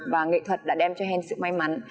và nghệ thuật đã đem cho hen sự may mắn